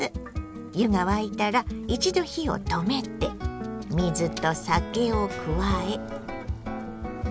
湯が沸いたら一度火を止めて水と酒を加えかき混ぜます。